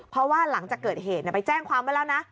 เพราะว่าหลังจากเกิดเหตุไปแจ้งความไว้แล้วนะ